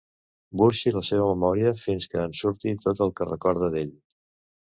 Burxi la seva memòria fins que en surti tot el que recorda d'ell.